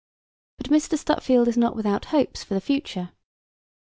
But Mr. Stutfield is not without hopes for the future.